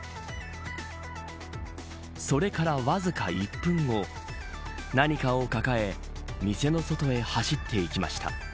それからわずか１分後何かを抱え店の外へ走っていきました。